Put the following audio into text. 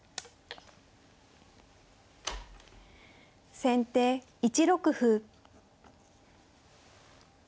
先手１六歩。